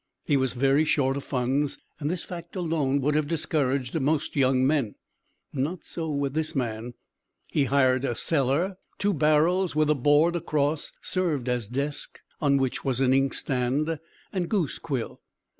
He was very short of funds, and this fact alone would have discouraged most young men; not so with this man. He hired a cellar; two barrels with a board across served as desk on which was an ink stand and goose quill.